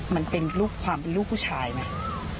มันเป็นความเป็นลูกผู้ชายไหม